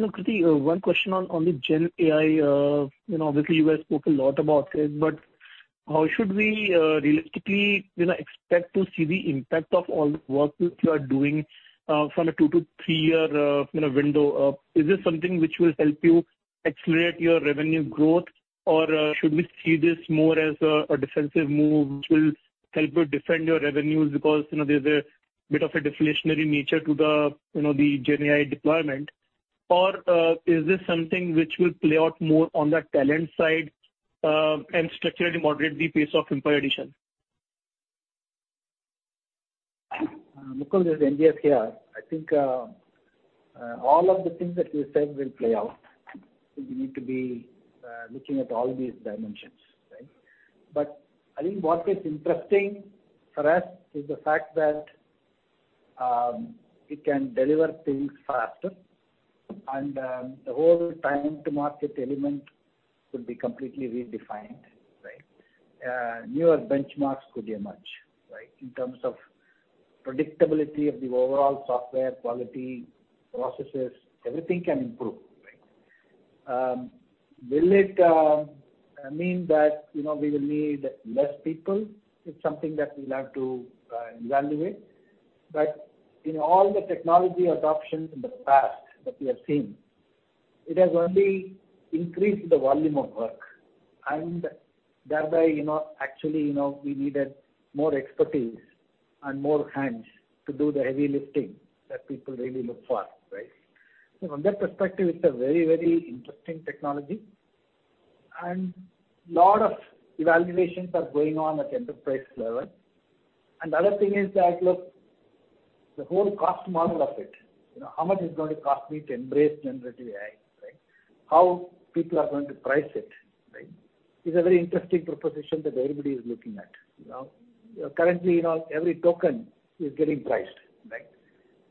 know, Krithi, one question on the GenAI. You know, obviously, you guys spoke a lot about this, but how should we, realistically, you know, expect to see the impact of all the work which you are doing, from a 2 year-3 year, you know, window up? Is this something which will help you accelerate your revenue growth, or, should we see this more as a defensive move which will help you defend your revenues? Because, you know, there's a bit of a deflationary nature to the, you know, the GenAI deployment. Or, is this something which will play out more on the talent side, and structurally moderate the pace of employee addition? Mukul, this is N.G.S. here. I think all of the things that you said will play out. I think we need to be looking at all these dimensions, right? I think what is interesting for us is the fact that we can deliver things faster, and the whole time to market element could be completely redefined, right? Newer benchmarks could emerge, right? In terms of predictability of the overall software quality, processes, everything can improve, right? Will it mean that, you know, we will need less people? It's something that we'll have to evaluate. In all the technology adoptions in the past that we have seen, it has only increased the volume of work, and thereby, you know, actually, you know, we needed more expertise and more hands to do the heavy lifting that people really look for, right? From that perspective, it's a very, very interesting technology, and lot of evaluations are going on at enterprise level. The other thing is that, look, the whole cost model of it, you know, how much it's going to cost me to embrace generative AI, right? How people are going to price it, right, is a very interesting proposition that everybody is looking at. You know, currently, you know, every token is getting priced, right?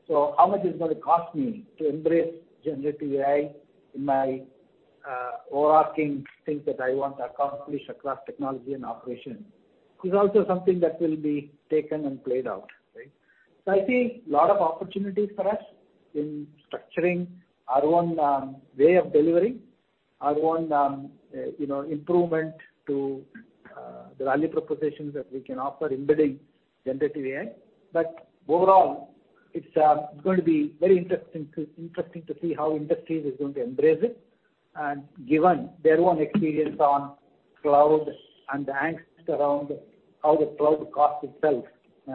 How much it's going to cost me to embrace generative AI in my overarching things that I want to accomplish across technology and operation, is also something that will be taken and played out, right. I see a lot of opportunities for us in structuring our own way of delivering, our own, you know, improvement to the value propositions that we can offer embedding generative AI. Overall, it's going to be very interesting to see how industries is going to embrace it, and given their own experience on cloud and the angst around how the cloud cost itself,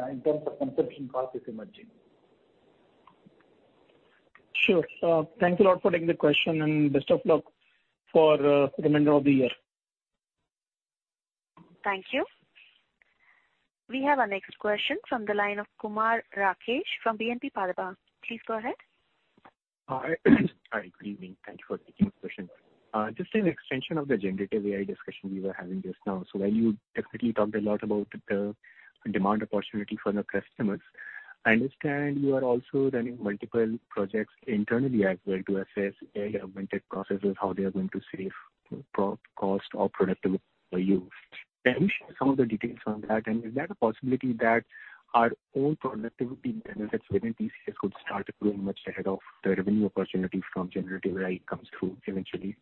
in terms of consumption cost, is emerging. Sure. Thanks a lot for taking the question, and best of luck for the remainder of the year. Thank you. We have our next question from the line of Kumar Rakesh from BNP Paribas. Please go ahead. Hi. Hi, good evening. Thank you for taking this question. Just an extension of the generative AI discussion we were having just now. While you definitely talked a lot about the demand opportunity for the customers, I understand you are also running multiple projects internally as well, to assess AI-augmented processes, how they are going to save cost or productivity use. Can you share some of the details on that, and is there a possibility that our own productivity benefits within TCS could start growing much ahead of the revenue opportunities from generative AI comes through eventually?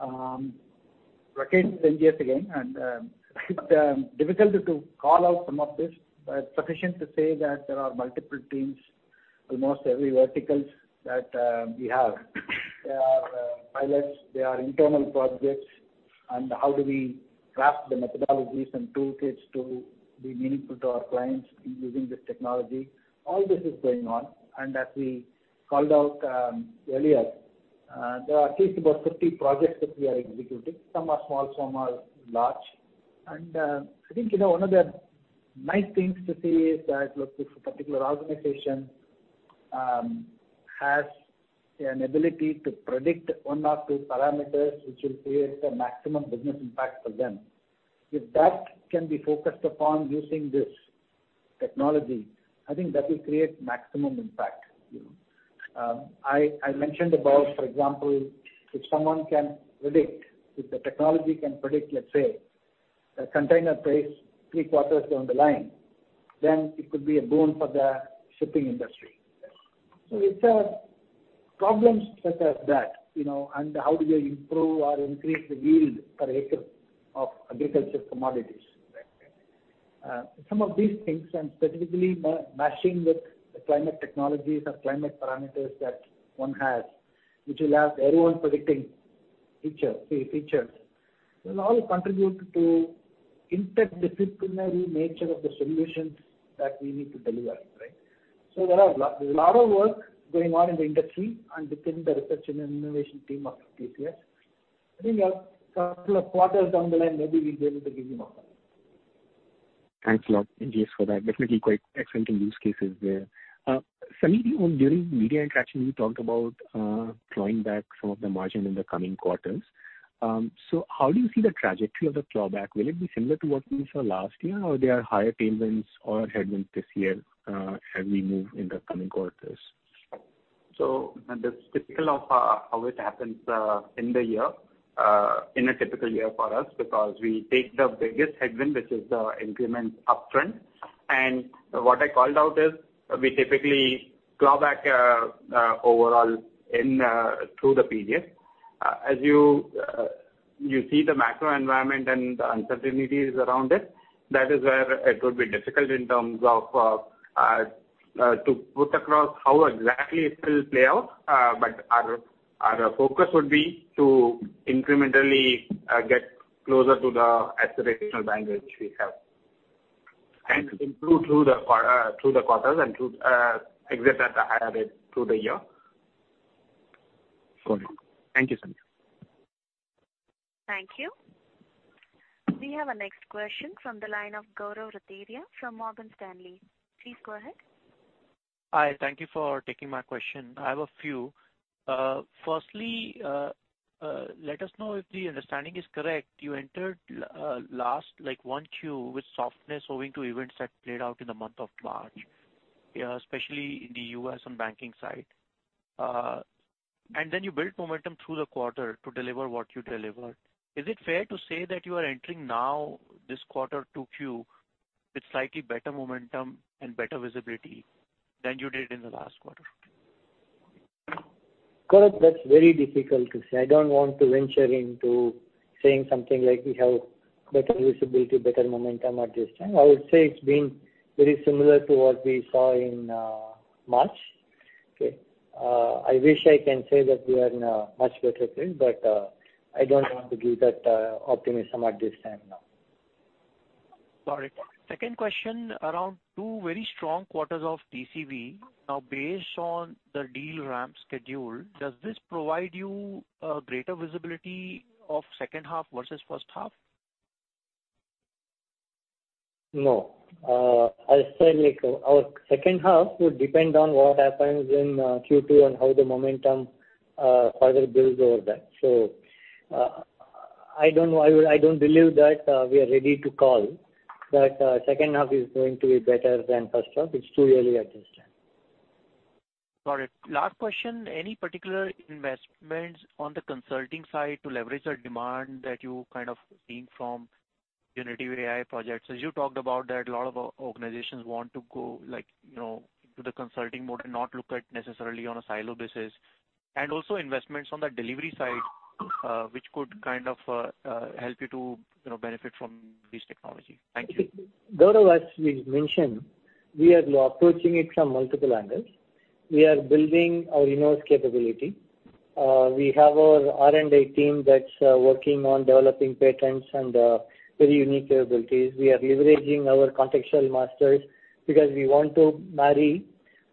Rakesh, N.G.S. again, and difficulty to call out some of this, but sufficient to say that there are multiple teams, almost every verticals that we have. There are pilots, there are internal projects, and how do we craft the methodologies and toolkits to be meaningful to our clients in using this technology? All this is going on, as we called out earlier, there are at least about 50 projects that we are executing. Some are small, some are large. I think, you know, one of the nice things to see is that, look, if a particular organization has an ability to predict one or two parameters which will create a maximum business impact for them, if that can be focused upon using this technology, I think that will create maximum impact. I mentioned about, for example, if someone can predict, if the technology can predict, let's say, a container trades three quarters down the line, then it could be a boon for the shipping industry. It's problems such as that, you know, and how do you improve or increase the yield per acre of agriculture commodities, some of these things, and specifically matching with the climate technologies or climate parameters that one has, which will have everyone predicting feature, key features. It will all contribute to interdisciplinary nature of the solutions that we need to deliver, right? There's a lot of work going on in the industry and within the research and innovation team of TCS. I think two quarters down the line, maybe we'll be able to give you more. Thanks a lot, N.G.S., for that. Definitely quite exciting use cases there. Samir, on during media interaction, you talked about drawing back some of the margin in the coming quarters. How do you see the trajectory of the clawback? Will it be similar to what we saw last year, or there are higher tailwinds or headwinds this year, as we move in the coming quarters? That's typical of how it happens in the year in a typical year for us, because we take the biggest headwind, which is the increments upfront. What I called out is we typically claw back overall through the period. As you see the macro environment and the uncertainties around it, that is where it would be difficult in terms of to put across how exactly it will play out. Our, our focus would be to incrementally get closer to the aspirational bank, which we have. Improve through the quarters and to exit at a higher rate through the year. Got it. Thank you, Samir. Thank you. We have our next question from the line of Gaurav Rateria from Morgan Stanley. Please go ahead. Hi, thank you for taking my question. I have a few. Firstly, let us know if the understanding is correct. You entered, last, like, 1Q with softness owing to events that played out in the month of March, especially in the U.S. on banking side. Then you built momentum through the quarter to deliver what you delivered. Is it fair to say that you are entering now this quarter 2Q, with slightly better momentum and better visibility than you did in the last quarter? Gaurav, that's very difficult to say. I don't want to venture into saying something like we have better visibility, better momentum at this time. I would say it's been very similar to what we saw in March. Okay? I wish I can say that we are in a much better place, but I don't want to give that optimism at this time now. Got it. Second question, around ywo very strong quarters of TCV. Based on the deal ramp schedule, does this provide you, greater visibility of second half versus first half? No. I'll say, like, our second half would depend on what happens in Q2 and how the momentum further builds over that. I don't know. I don't believe that we are ready to call, that second half is going to be better than first half. It's too early at this time. Got it. Last question, any particular investments on the consulting side to leverage the demand that you kind of seeing from generative AI projects? As you talked about that a lot of organizations want to go, like, you know, to the consulting mode and not look at necessarily on a silo basis. Also investments on the delivery side, which could kind of help you to, you know, benefit from this technology. Thank you. Gaurav, as we mentioned, we are approaching it from multiple angles. We are building our in-house capability. We have our R&D team that's working on developing patents and very unique capabilities. We are leveraging our contextual masters because we want to marry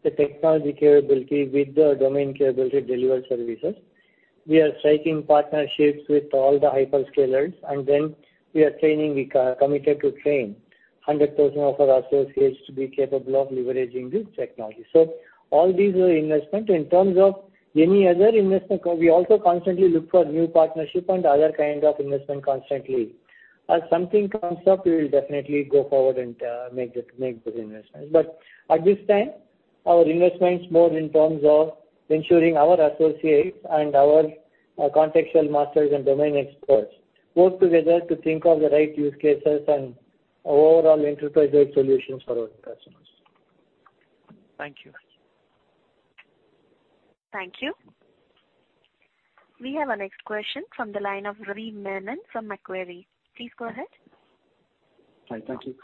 the technology capability with the domain capability delivery services. We are striking partnerships with all the hyperscalers, and then we are committed to train 100,000 of our associates to be capable of leveraging this technology. All these are investment. In terms of any other investment, we also constantly look for new partnership and other kinds of investment constantly. As something comes up, we will definitely go forward and make the investments. At this time, our investment is more in terms of ensuring our associates and our contextual masters and domain experts work together to think of the right use cases and overall enterprise-wide solutions for our customers. Thank you. Thank you. We have our next question from the line of Ravi Menon from Macquarie. Please go ahead. Hi. Thank you.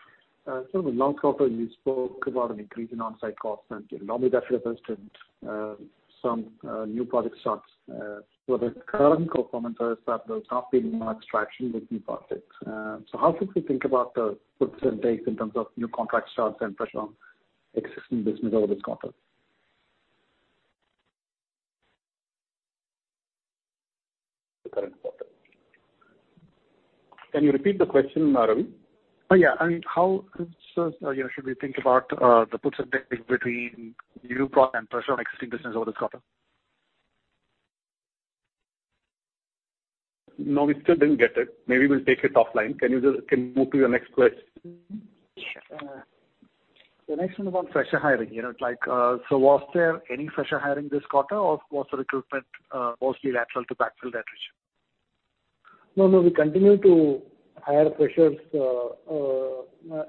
In the last quarter, you spoke about an increase in onsite costs, and normally that refers to some new product starts. The current performance is that there's not been much traction with new projects. How should we think about the puts and takes in terms of new contract starts and pressure on existing business over this quarter? The current quarter. Can you repeat the question, Ravi? Yeah. I mean, how should we think about the puts and takes between new product and pressure on existing business over this quarter? We still didn't get it. Maybe we'll take it offline. Can you move to your next question? Sure. The next one about fresher hiring. You know, like, Was there any fresher hiring this quarter, or was the recruitment mostly lateral to backfill that issue? No, no, we continue to hire freshers,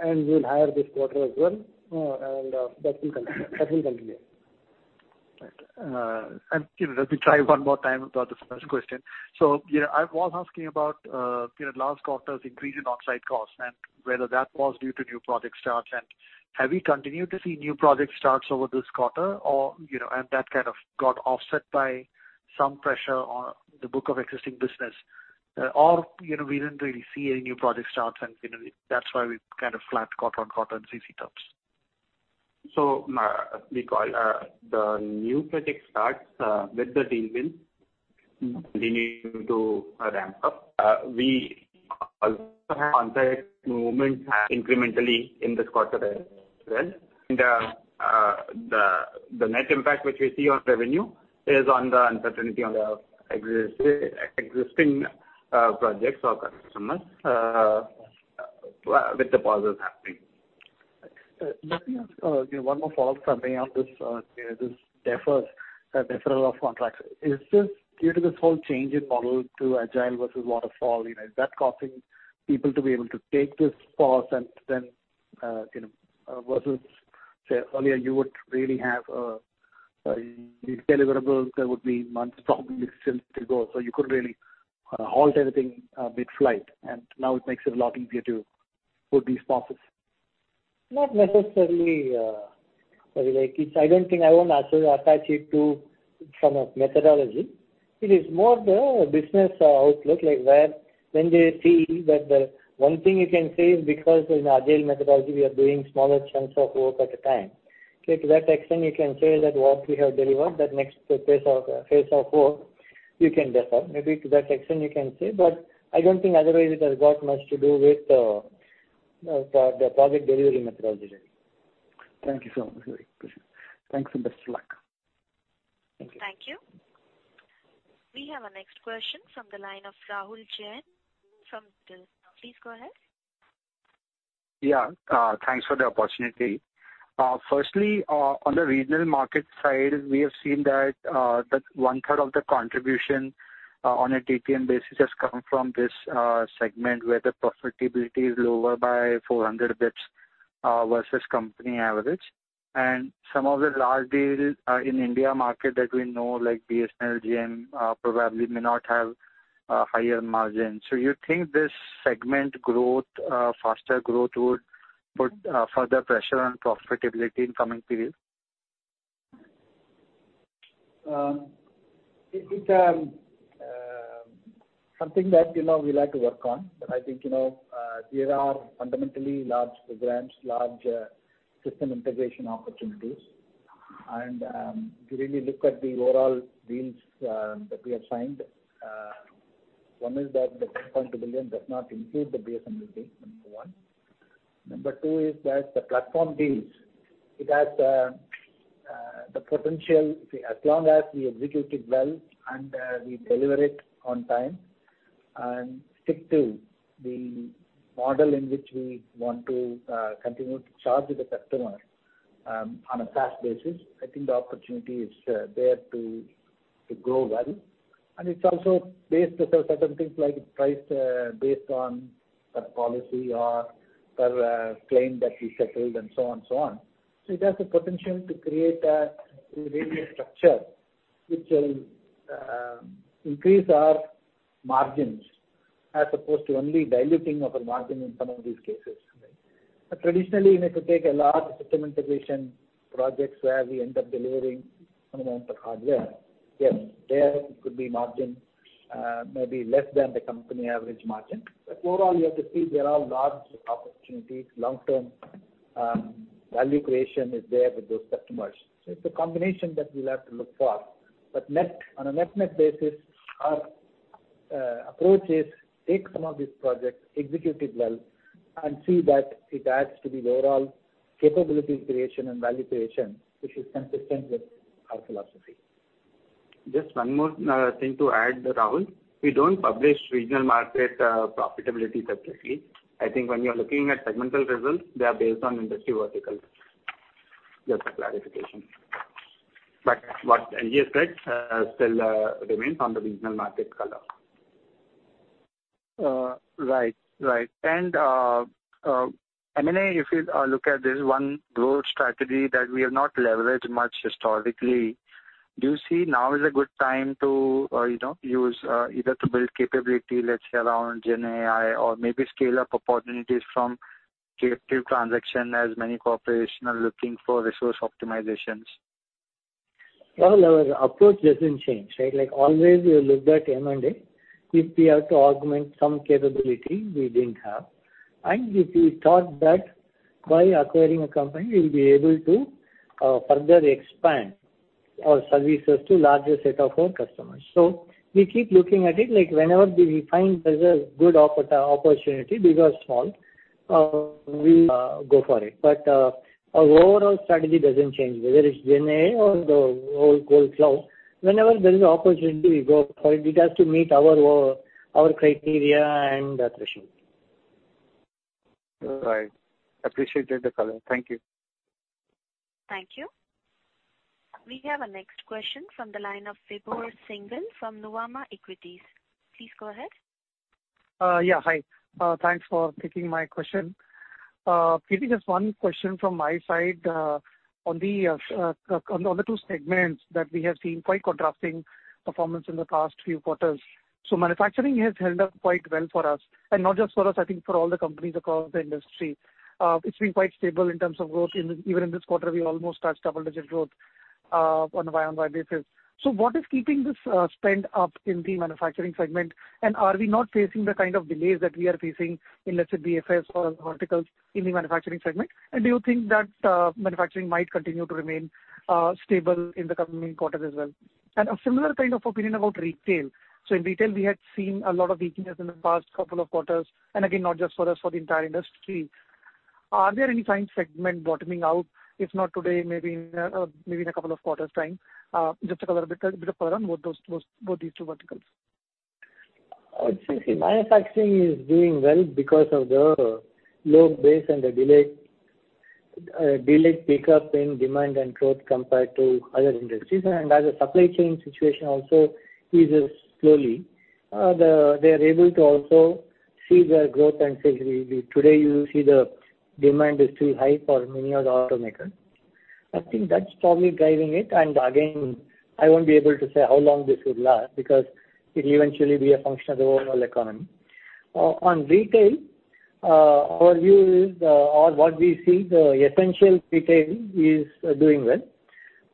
and we'll hire this quarter as well, and that will continue. Right. Let me try one more time about the first question. I was asking about, you know, last quarter's increase in onsite costs and whether that was due to new project starts. Have you continued to see new project starts over this quarter or, you know, that kind of got offset by some pressure on the book of existing business? Or, you know, we didn't really see any new project starts, and, you know, that's why we kind of flat quarter-on-quarter in CC terms. We call the new project starts with the deal wins, continuing to ramp up. We also have on movement incrementally in this quarter as well. The net impact which we see on revenue is on the uncertainty on the existing projects or customers with the pauses happening. Let me ask one more follow-up on this deferral of contracts. Is this due to this whole change in model to Agile versus Waterfall? You know, is that causing people to be able to take this pause and then, you know, versus, say, earlier you would really have your deliverables, there would be months to go, so you could really halt anything mid-flight, and now it makes it a lot easier to put these pauses? Not necessarily, like I don't think I want to actually attach it to some of methodology. It is more the business outlook, like where when they see that. One thing you can say is because in Agile methodology, we are doing smaller chunks of work at a time. To that extent, you can say that what we have delivered, that next phase of work, you can defer. Maybe to that extent, you can say, but I don't think otherwise it has got much to do with the project delivery methodology. Thank you so much. Thanks, and best of luck. Thank you. We have our next question from the line of Rahul Jain from Dolat Capital. Please go ahead. Yeah, thanks for the opportunity. Firstly, on the regional market side, we have seen that 1/3 of the contribution, on a TTM basis, has come from this segment, where the profitability is lower by 400 basis points versus company average. Some of the large deals in India market that we know, like BSNL, GeM, probably may not have higher margins. You think this segment growth, faster growth, would put further pressure on profitability in coming period? It is, something that, you know, we like to work on. I think, you know, there are fundamentally large programs, large, system integration opportunities. If you really look at the overall deals, that we have signed, one is that the $10.2 billion does not include the BSNL deal, number one. Number two is that the platform deals, it has, the potential, as long as we execute it well and, we deliver it on time and stick to the model in which we want to, continue to charge the customer, on a SaaS basis, I think the opportunity is there to grow value. It's also based on certain things like price, based on per policy or per, claim that we settled and so on and so on. It has the potential to create a revenue structure which will increase our margins, as opposed to only diluting our margin in some of these cases. Traditionally, if you take a large system integration projects where we end up delivering some amount of hardware, yes, there could be margin, maybe less than the company average margin. Overall, you have to see there are large opportunities. Long-term value creation is there with those customers. It's a combination that we'll have to look for. Net, on a net-net basis, our approach is take some of these projects, execute it well, and see that it adds to the overall capability creation and value creation, which is consistent with our philosophy. Just one more thing to add, Rahul. We don't publish regional market profitability separately. I think when you're looking at segmental results, they are based on industry verticals. Just a clarification. What he has said, still remains on the regional market color. Right. Right. M&A, if you look at this one growth strategy that we have not leveraged much historically, do you see now is a good time to, you know, use either to build capability, let's say, around GenAI or maybe scale up opportunities from creative transaction as many corporations are looking for resource optimizations? Well, our approach doesn't change, right? Like always, we look at M&A if we have to augment some capability we didn't have, and if we thought that by acquiring a company, we'll be able to further expand our services to larger set of our customers. We keep looking at it. Like, whenever we find there's a good opportunity, big or small, we go for it. Our overall strategy doesn't change, whether it's GenAI or the whole cloud. Whenever there is an opportunity, we go for it. It has to meet our criteria and the threshold. Right. Appreciate the color. Thank you. Thank you. We have our next question from the line of Vibhor Singhal from Nuvama Equities. Please go ahead. Yeah, hi. Thanks for taking my question. Maybe just one question from my side on the two segments that we have seen quite contrasting performance in the past few quarters. Manufacturing has held up quite well for us, and not just for us, I think for all the companies across the industry. It's been quite stable in terms of growth. Even in this quarter, we almost touched double-digit growth. What is keeping this spend up in the manufacturing segment? Are we not facing the kind of delays that we are facing in, let's say, BFSI or verticals in the manufacturing segment? Do you think that manufacturing might continue to remain stable in the coming quarters as well? A similar kind of opinion about retail. In retail, we had seen a lot of weakness in the past couple of quarters, and again, not just for us, for the entire industry. Are there any signs segment bottoming out, if not today, maybe in a couple of quarters' time? Just a color, bit, a bit of color on both those, both these two verticals. See, manufacturing is doing well because of the low base and the delayed pickup in demand and growth compared to other industries. As the supply chain situation also eases slowly, they are able to also see the growth and sales. Today, you see the demand is still high for many of the automakers. I think that's probably driving it. Again, I won't be able to say how long this would last because it'll eventually be a function of the overall economy. On retail, our view is, or what we see, the essential retail is doing well.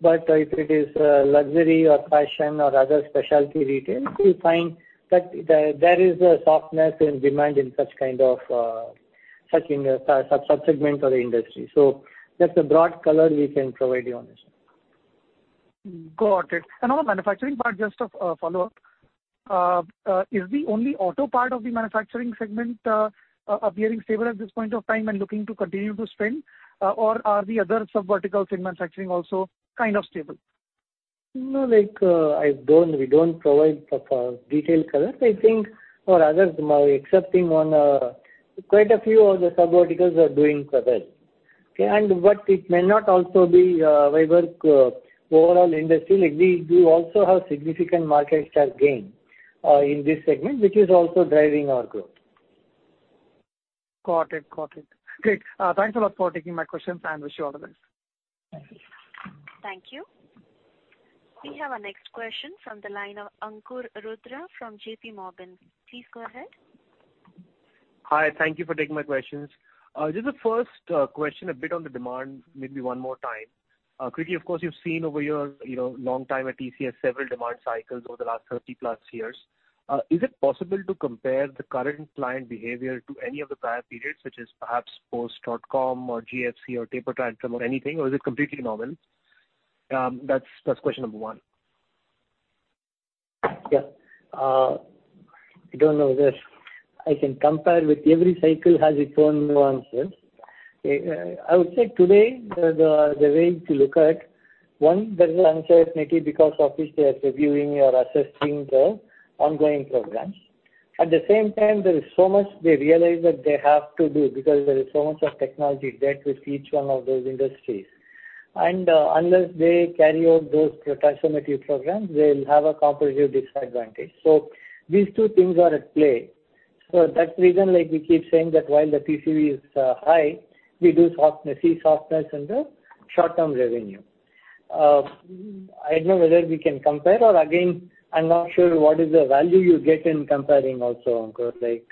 If it is luxury or fashion or other specialty retail, we find that there is a softness in demand in such kind of, such in the sub-segment or the industry. That's a broad color we can provide you on this. Got it. On the manufacturing part, just a follow-up. Is the only auto part of the manufacturing segment appearing stable at this point of time and looking to continue to spend, or are the other sub-vertical segment manufacturing also kind of stable? No, like, I don't, we don't provide for detailed color. I think for others, excepting on, quite a few of the sub verticals are doing quite well. Okay, it may not also be, favor, overall industry. Like, we also have significant market share gain, in this segment, which is also driving our growth. Got it. Got it. Great. Thanks a lot for taking my questions. Wish you all the best. Thank you. Thank you. We have our next question from the line of Ankur Rudra, from JPMorgan. Please go ahead. Hi, thank you for taking my questions. just the first, question, a bit on the demand, maybe one more time. quickly, of course, you've seen over your, you know, long time at TCS, several demand cycles over the last 30+ years. is it possible to compare the current client behavior to any of the prior periods, such as perhaps post dotcom or GFC or taper tantrum or anything, or is it completely novel? That's question number one. Yeah. I don't know whether I can compare with every cycle has its own nuances. I would say today, the way to look at, one, there is uncertainty because obviously they're reviewing or assessing the ongoing programs. At the same time, there is so much they realize that they have to do because there is so much of technology debt with each one of those industries. Unless they carry out those transformative programs, they'll have a competitive disadvantage. These two things are at play. For that reason, like we keep saying that while the TCV is high, we do see softness in the short-term revenue. I don't know whether we can compare, or again, I'm not sure what is the value you get in comparing also, Ankur. Like,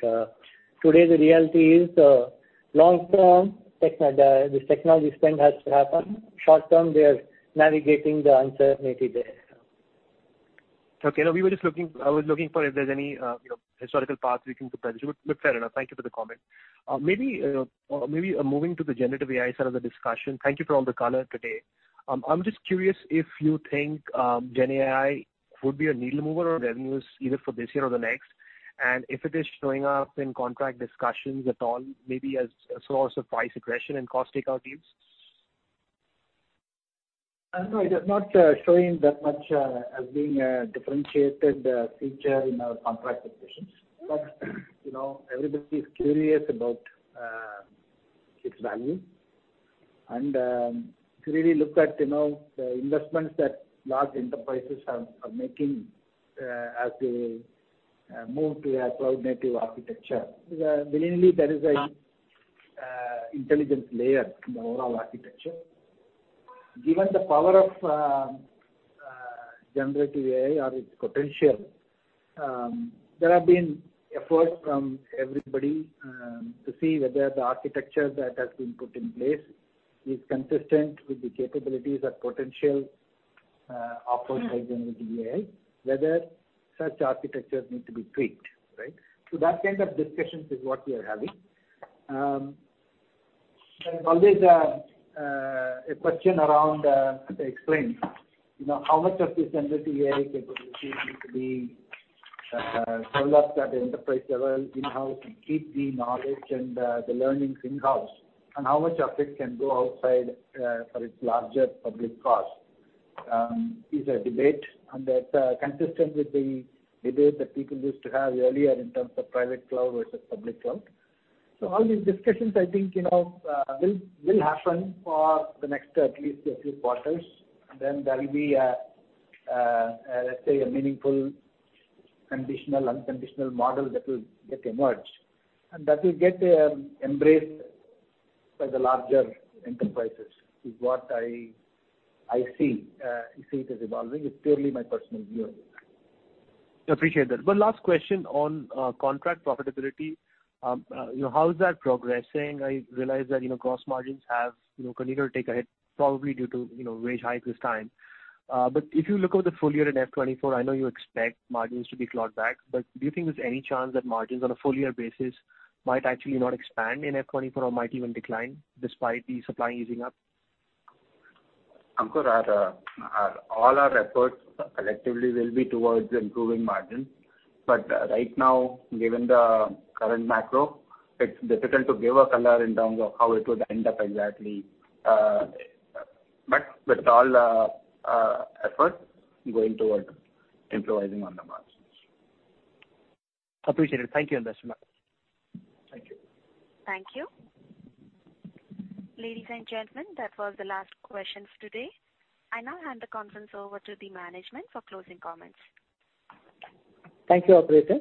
today the reality is the long term, this technology spend has to happen. Short term, they are navigating the uncertainty there. Okay. No, I was looking for if there's any, you know, historical path we can compare. Fair enough. Thank you for the comment. Maybe moving to the generative AI side of the discussion. Thank you for all the color today. I'm just curious if you think GenAI would be a needle mover on revenues, either for this year or the next, and if it is showing up in contract discussions at all, maybe as a source of price aggression and cost takeout views? It is not showing that much as being a differentiated feature in our contract discussions. You know, everybody is curious about its value, and clearly look at, you know, the investments that large enterprises are making as they move to a cloud-native architecture. Willingly, there is a intelligence layer in the overall architecture. Given the power of Generative AI or its potential, there have been efforts from everybody to see whether the architecture that has been put in place is consistent with the capabilities or potential offered by Generative AI, whether such architectures need to be tweaked, right? That kind of discussions is what we are having. There's always a question around, explain, you know, how much of this generative AI capability need to be developed at the enterprise level in-house to keep the knowledge and the learnings in-house, and how much of it can go outside for its larger public cost, is a debate. That's consistent with the debate that people used to have earlier in terms of private cloud versus public cloud. All these discussions, I think, you know, will happen for the next at least a few quarters. There will be a, let's say, a meaningful, conditional, unconditional model that will get emerged. That will get embraced by the larger enterprises, is what I see it as evolving. It's purely my personal view. Appreciate that. One last question on contract profitability. You know, how is that progressing? I realize that, you know, gross margins have, you know, continued to take a hit, probably due to, you know, wage hike this time. If you look over the full year in F 2024, I know you expect margins to be clawed back, but do you think there's any chance that margins on a full year basis might actually not expand in F 2024 or might even decline despite the supply easing up? Ankur, our all our efforts collectively will be towards improving margins. Right now, given the current macro, it's difficult to give a color in terms of how it would end up exactly. With all efforts going toward improving on the margins. Appreciated. Thank you and best of luck. Thank you. Thank you. Ladies and gentlemen, that was the last question for today. I now hand the conference over to the management for closing comments. Thank you, operator.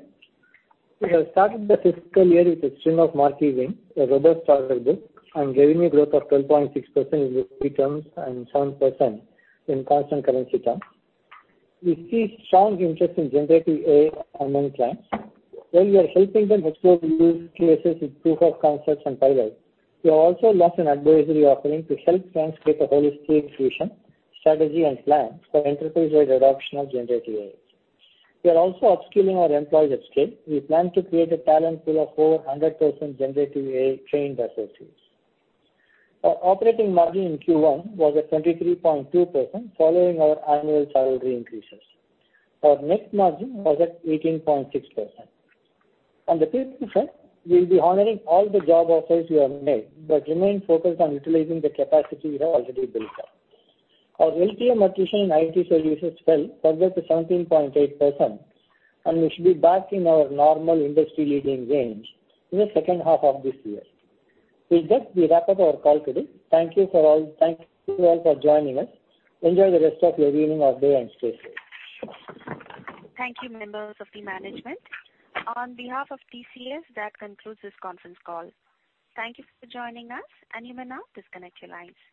We have started the fiscal year with a string of marquee wins, a robust order book, and revenue growth of 12.6% in rupee terms and 7% in constant currency terms. We see strong interest in generative AI among clients. While we are helping them explore use cases with proof of concepts and pilots, we have also launched an advisory offering to help clients create a holistic vision, strategy, and plan for enterprise-wide adoption of generative AI. We are also upskilling our employees at scale. We plan to create a talent pool of over 100% generative AI-trained associates. Our operating margin in Q1 was at 23.2%, following our annual salary increases. Our net margin was at 18.6%. On the people front, we will be honoring all the job offers we have made, but remain focused on utilizing the capacity we have already built up. Our LTM attrition in IT services fell further to 17.8%, and we should be back in our normal industry-leading range in the second half of this year. We wrap up our call today. Thank you all for joining us. Enjoy the rest of your evening or day, and stay safe. Thank you, members of the management. On behalf of TCS, that concludes this conference call. Thank you for joining us, and you may now disconnect your lines.